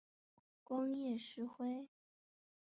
光叶石栎